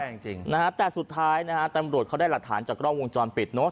จริงจริงนะฮะแต่สุดท้ายนะฮะตำรวจเขาได้หลักฐานจากกล้องวงจรปิดเนอะ